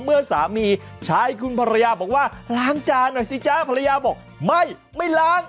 เมื่อสามีใช้คุณภรรยาบอกว่าล้างจานหน่อยสิจ๊ะภรรยาบอกไม่ไม่ล้าง